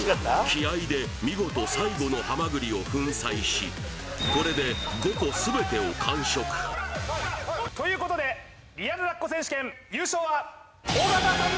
気合いで見事最後のハマグリを粉砕しこれで５個全てを完食ということでリアルラッコ選手権優勝は尾形さん